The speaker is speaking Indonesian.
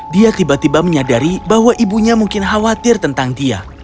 dia tiba tiba menyadari bahwa ibunya mungkin khawatir tentang dia